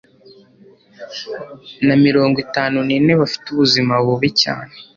na mirongo itanu nine bafite ubuzima bubi cyane